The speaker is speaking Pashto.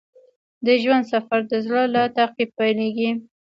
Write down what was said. د ژوند سفر د زړه له تعقیب پیلیږي.